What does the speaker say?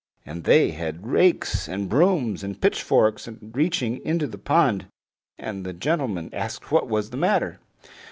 And they had rakes, and brooms, and pitchforks, reaching into the pond; and the gentleman asked what was the matter.